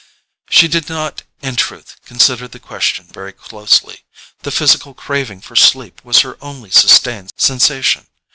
She did not, in truth, consider the question very closely—the physical craving for sleep was her only sustained sensation.